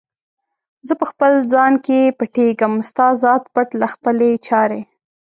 زه په خپل ځان کې پټیږم، ستا ذات پټ له خپلي چارې